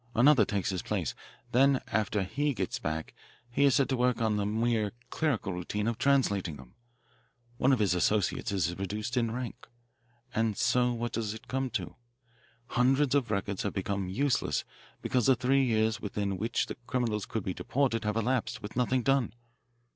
Another takes his place. Then after he gets back he is set to work on the mere clerical routine of translating them. One of his associates is reduced in rank. And so what does it come to? Hundreds of records have become useless because the three years within which the criminals could be deported have elapsed with nothing done.